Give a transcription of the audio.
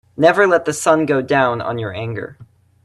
Never let the sun go down on your anger.